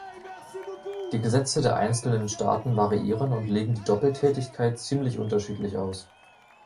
Die Gesetze der einzelnen Staaten variieren und legen die Doppeltätigkeit ziemlich unterschiedlich aus.